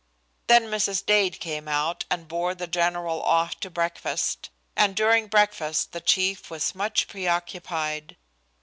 Then Mrs. Dade came out and bore the general off to breakfast, and during breakfast the chief was much preoccupied.